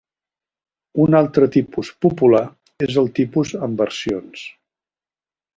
Un altre tipus popular és el tipus amb versions.